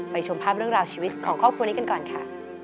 ชมภาพเรื่องราวชีวิตของครอบครัวนี้กันก่อนค่ะ